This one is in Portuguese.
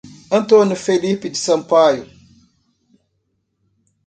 Antônio Felipe de Sampaio